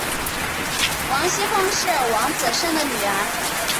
王熙凤是王子胜的女儿。